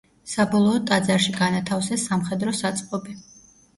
საბოლოოდ ტაძარში განათავსეს სამხედრო საწყობი.